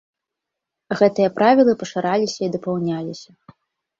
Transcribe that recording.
Гэтыя правілы пашыраліся і дапаўняліся.